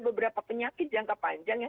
beberapa penyakit jangka panjang yang